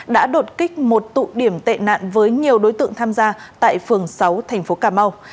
đã đột kích một tụ điểm tệ nạn với nhiều đối tượng tham gia tại phường sáu thành phố cà mau